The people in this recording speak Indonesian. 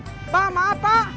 pak maaf pak